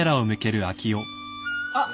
あっ！